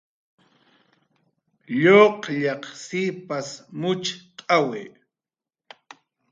Lluqllaq sipas mucht'awi